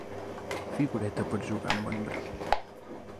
Figureta per jugar amb en Bravo.